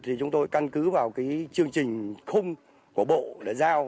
thì chúng tôi căn cứ vào cái chương trình khung của bộ đã giao